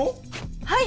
はい！